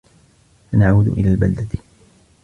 سنعود إلى البلدة.